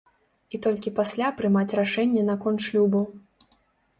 І толькі пасля прымаць рашэнне наконт шлюбу.